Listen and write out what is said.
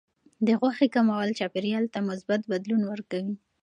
د غوښې کمول چاپیریال ته مثبت بدلون ورکوي.